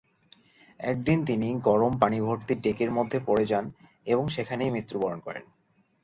একদিন তিনি গরম পানি ভর্তি ডেকের মধ্যে পড়ে যান এবং সেখানেই মৃত্যুবরণ করেন।